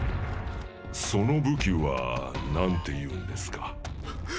その武器は何て言うんですか？